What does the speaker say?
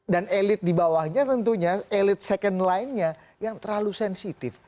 dan elit di bawahnya tentunya elit second linenya yang terlalu sensitif